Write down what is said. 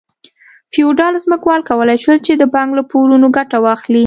فیوډال ځمکوالو کولای شول چې د بانک له پورونو ګټه واخلي.